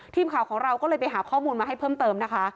ทีมข่าวของเราก็เลยไปหาข้อมูลมาให้เพิ่มเติมนะคะ